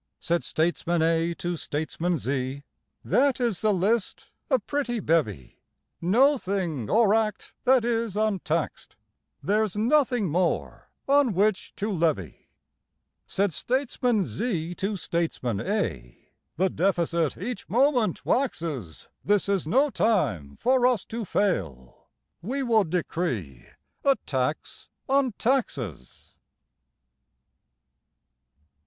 Said Statesman A to Statesman Z: That is the list, a pretty bevy; No thing or act that is untaxed; Theres nothing more on which to levy. Said Statesman Z to Statesman A: The deficit each moment waxes; This is no time for us to fail We will decree a tax on taxes.